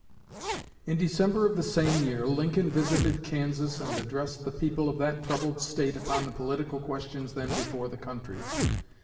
In December of the same year Lincoln visited Kansas and addressed the people of that troubled State upon the political questions then before the country.